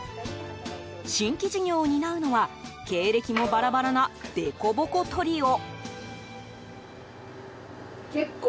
新規事業を担うのは経歴もバラバラなデコボコトリオ。